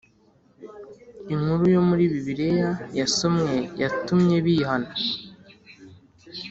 inkuru yo muri bibiliya yasomwe yatumye bihana